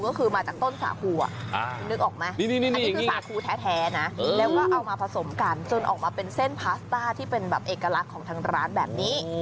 ก็คือมาจากต้นสาคูนึกออกไหมอันนี้คือสาคูแท้นะแล้วก็เอามาผสมกันจนออกมาเป็นเส้นพาสต้าที่เป็นแบบเอกลักษณ์ของทางร้านแบบนี้